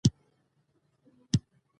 چلم د نشه يي توکو لپاره کارېږي